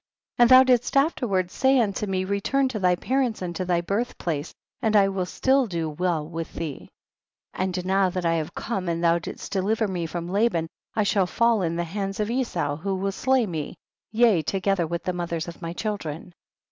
19. And thou didst afterward say unto me, return to thy parents and to thy birth place and I will still do well wiih thee. 20. And now that I have come, and thou didst deliver me from La ban, I shall fall in the hands of Esau who will slay me, yea, together with the mothers of my children.